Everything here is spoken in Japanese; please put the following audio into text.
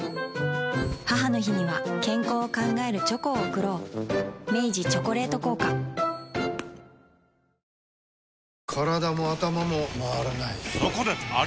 母の日には健康を考えるチョコを贈ろう明治「チョコレート効果」［日本各地で目撃されていた謎の光］